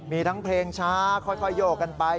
มีทั้งเพลงช้าค่อยโยกกันไป